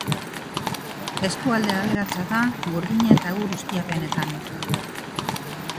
Eskualde aberatsa da burdina- eta egur-ustiapenetan.